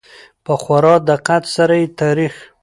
په خورا دقت سره يې تاريخ